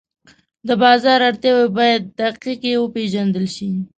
د بازار اړتیاوې باید دقیقې وپېژندل شي.